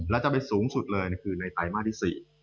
แล้วจะไปสูงสุดเลยคือในไตรมาสที่๔